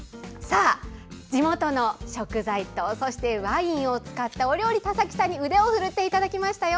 地元の食材とワインを使ったお料理、田崎さんに腕を振るっていただきましたよ。